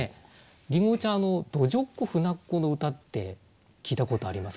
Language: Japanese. りんごちゃん「どじょっこふなっこ」の歌って聴いたことあります？